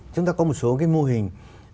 chúng ta có một số cái mô hình